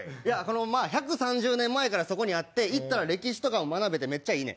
１３０年前からそこにあって行ったら歴史学べてめっちゃええねん。